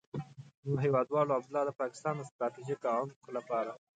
نو هېوادوالو، عبدالله د پاکستان د ستراتيژيک عمق لپاره.